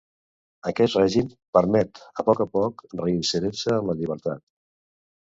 Aquest règim permet a poc a poc reinserir-se en la llibertat.